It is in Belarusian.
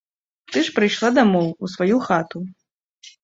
Ты ж прыйшла дамоў, у сваю хату.